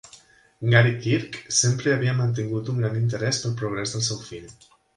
Gary Kirk sempre havia mantingut un gran interès pel progrés del seu fill.